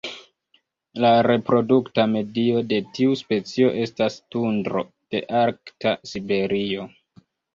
La reprodukta medio de tiu specio estas tundro de arkta Siberio.